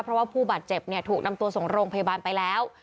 เพราะว่าผู้บาดเจ็บถูกนำตัวส่งโรงพยาบาลไปแล้ว